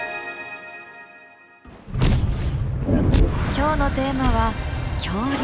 今日のテーマは「恐竜」。